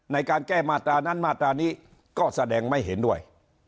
ในการแก้มาตรานั้นมาตรานี้ก็แสดงไม่เห็นด้วย